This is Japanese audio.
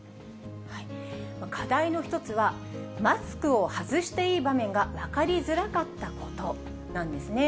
課題の一つは、マスクを外していい場面が分かりづらかったことなんですね。